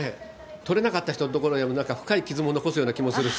とれなかった人の所に深い傷も残すような気もしますし。